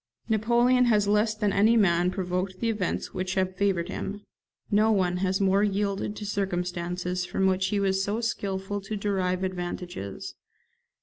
Napoleon has less than any man provoked the events which have favoured him; no one has more yielded to circumstances from which he was so skilful to derive advantages.